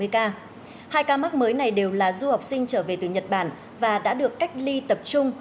hai trăm bảy mươi ca hai ca mắc mới này đều là du học sinh trở về từ nhật bản và đã được cách ly tập trung